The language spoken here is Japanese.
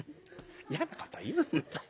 嫌なこと言うんだ。